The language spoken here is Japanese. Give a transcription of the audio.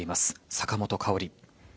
坂本花織。